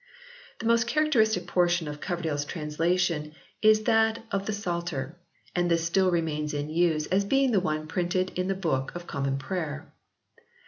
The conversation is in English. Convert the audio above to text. The most characteristic 56 HISTORY OF THE ENGLISH BIBLE [CH. portion of Coverdale s translation is that of the Psalter, and this still remains in use as being the one printed in the Book of Common Prayer.